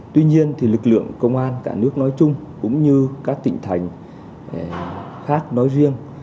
tuy nhiên thì lực lượng công an cả nước nói chung cũng như các tỉnh thành khác nói riêng